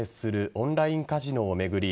オンラインカジノを巡り